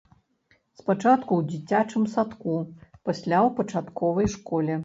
Спачатку ў дзіцячым садку, пасля ў пачатковай школе.